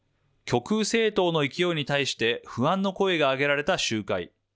極右政党の勢いに対して不安の声が上げられた集会。